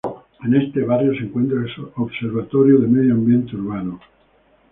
En este barrio se encuentra el Observatorio de Medio Ambiente Urbano.